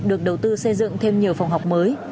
được đầu tư xây dựng thêm nhiều phòng học mới